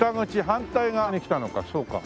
反対側に来たのかそうか。